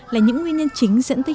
là những nguyên nhân chính dẫn tới